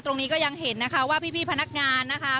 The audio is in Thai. ก็ยังเห็นนะคะว่าพี่พนักงานนะคะ